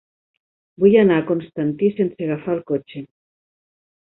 Vull anar a Constantí sense agafar el cotxe.